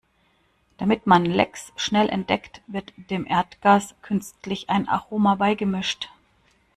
Damit man Lecks schnell entdeckt, wird dem Erdgas künstlich ein Aroma beigemischt.